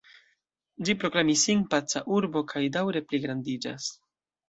Ĝi proklamis sin paca urbo kaj daŭre pligrandiĝas.